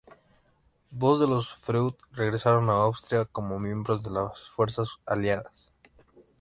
Dos de los Freud regresaron a Austria como miembros de las fuerzas aliadas.